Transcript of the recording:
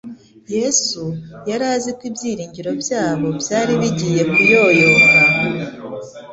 Yesu yari azi ko ibyiringiro byabo byari bigiye kuyoyoka